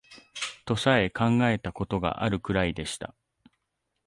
とさえ考えた事があるくらいでした